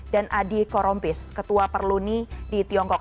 dan adi korompis ketua perluni di tiongkok